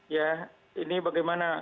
ya ini bagaimana